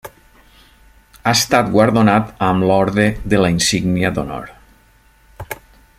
Ha estat guardonat amb l'Orde de la Insígnia d'Honor.